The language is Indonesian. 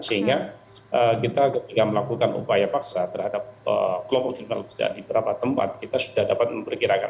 sehingga kita ketika melakukan upaya paksa terhadap kelompok kriminal di beberapa tempat kita sudah dapat memperkirakan